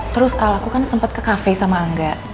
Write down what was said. terus al aku kan sempet ke cafe sama angga